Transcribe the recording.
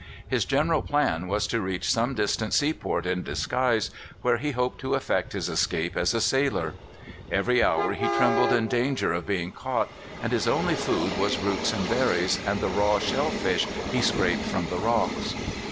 His general plan was to reach some distant seaport in disguise, where he hoped to effect his escape as a sailor. Every hour he trembled in danger of being caught, and his only food was roots and berries, and the raw shell fish he scraped from the rocks.